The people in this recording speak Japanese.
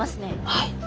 はい。